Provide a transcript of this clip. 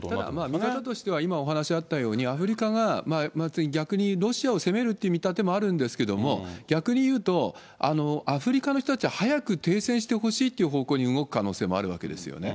見方としては、今お話あったように、アフリカが逆にロシアを攻めるという見立てもあるんですけど、逆に言うと、アフリカの人たちは早く停戦してほしいという方向に動く可能性もあるわけですね。